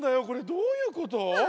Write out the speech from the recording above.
どういうこと？